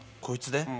こいつで？